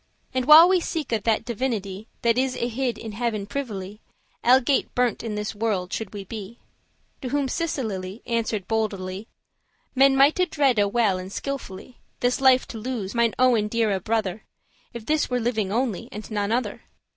"And while we seeke that Divinity That is y hid in heaven privily, Algate* burnt in this world should we be." *nevertheless To whom Cecilie answer'd boldely; "Men mighte dreade well and skilfully* *reasonably This life to lose, mine owen deare brother, If this were living only, and none other.